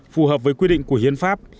phù hợp với quy định của hiến pháp